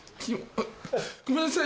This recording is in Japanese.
ごめんなさい！